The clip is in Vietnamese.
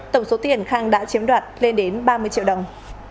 tổng số tiền khang đã chiếm đoạt lên đến ba mươi triệu đồng